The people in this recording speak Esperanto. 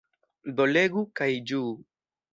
Do legu, kaj ĝuu.